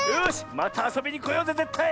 またあそびにこようぜぜったい！